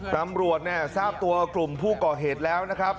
ตำรวจเนี่ยทราบตัวกลุ่มผู้ก่อเหตุแล้วนะครับ